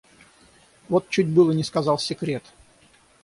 Вот чуть было не сказал секрет!